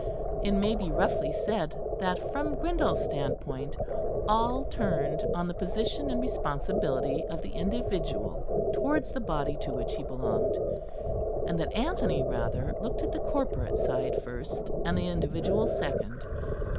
It may be roughly said that from Grindal's standpoint all turned on the position and responsibility of the individual towards the body to which he belonged: and that Anthony rather looked at the corporate side first and the individual second.